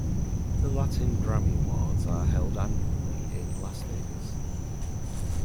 The Latin Grammy Awards are held annually in Las Vegas.